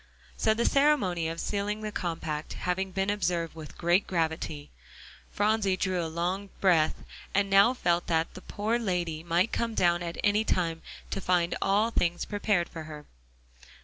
So the ceremony of sealing the compact having been observed with great gravity, Phronsie drew a long breath, and now felt that the "poor lady" might come down at any time to find all things prepared for her.